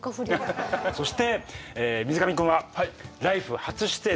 そして水上君は「ＬＩＦＥ！」初出演で。